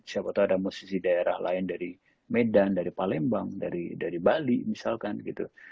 siapa tahu ada musisi daerah lain dari medan dari palembang dari bali misalkan gitu